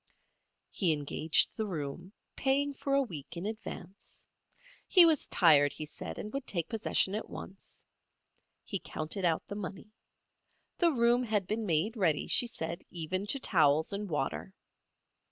He engaged the room, paying for a week in advance. He was tired, he said, and would take possession at once. He counted out the money. The room had been made ready, she said, even to towels and water.